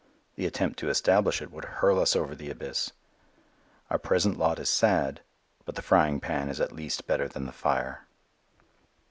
The attempt to establish it would hurl us over the abyss. Our present lot is sad, but the frying pan is at least better than the fire.